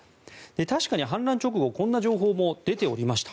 確かに反乱直後こんな情報も出ておりました。